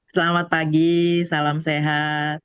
selamat pagi salam sehat